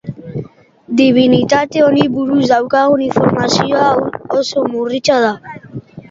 Dibinitate honi buruz daukagun informazioa oso murritza da.